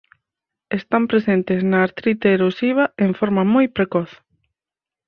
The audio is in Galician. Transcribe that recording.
Están presentes na artrite erosiva en forma moi precoz.